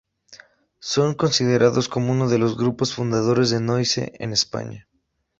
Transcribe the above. Son considerados como uno de los grupos fundadores del noise en España.